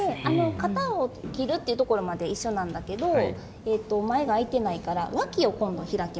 肩を切るっていうところまで一緒なんだけど前があいてないからわきを今度開きます。